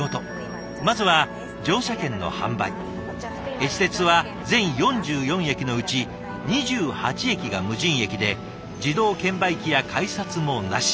えち鉄は全４４駅のうち２８駅が無人駅で自動券売機や改札もなし。